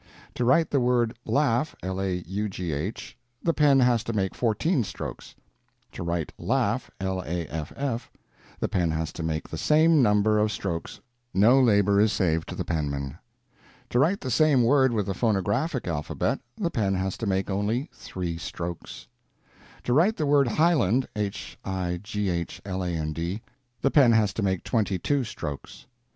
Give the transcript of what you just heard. To write the word "laugh," the pen has to make _fourteen _strokes. To write "laff," the pen has to make the same number of strokes—no labor is saved to the penman. To write the same word with the phonographic alphabet, the pen has to make only _three _strokes. To write the word "highland," the pen has to make twenty two strokes.